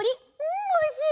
んおいしい！